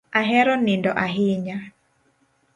Ahero nindo ahinya.